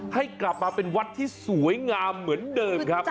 ให้กลับมาเป็นวัดที่สวยงามเหมือนเดิมครับ